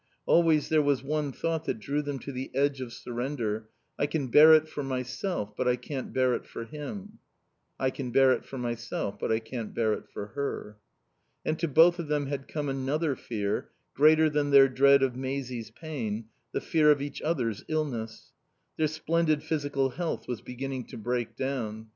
Always there was one thought that drew them to the edge of surrender: "I can bear it for myself, but I can't bear it for him," "I can bear it for myself, but I can't bear it for her." And to both of them had come another fear, greater than their dread of Maisie's pain, the fear of each other's illness. Their splendid physical health was beginning to break down.